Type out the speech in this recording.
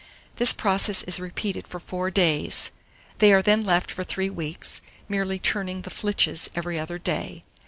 This process is repeated for four days; they are then left for three weeks, merely turning the flitches every other day.